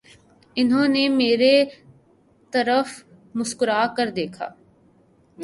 انہوں نے میرے طرف مسکرا کر دیکھا